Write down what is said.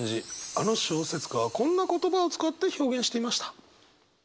あの小説家はこんな言葉を使って表現していました。